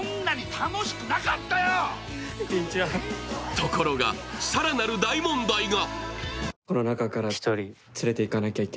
ところが、更なる大問題が。